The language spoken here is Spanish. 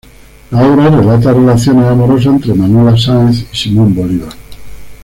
La obra relata la relación amorosa entre Manuela Sáenz y Simón Bolívar.